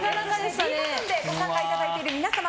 ｄボタンで参加していただいている皆さん